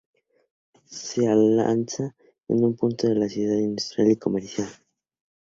Se alza en un punto de la ciudad industrial y comercial.